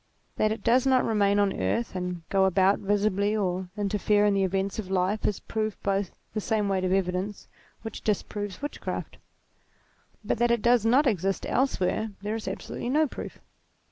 That it does not remain on earth and go about visibly or interfere in the events of life, is proved by the same weight of evidence which dis proves witchcraft. But that it does not exist else where, there is absolutely no proof.